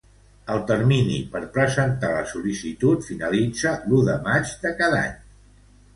El termini per presentar la sol·licitud finalitza l'u de maig de cada any.